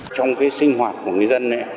trong cái sinh hoạt của người dân ấy